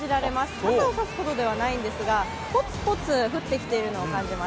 傘を差すほどではないんですがポツポツ降ってきているのを感じます。